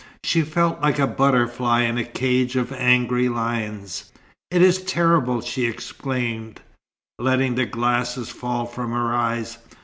She felt like a butterfly in a cage of angry lions. "It is terrible!" she exclaimed, letting the glasses fall from her eyes.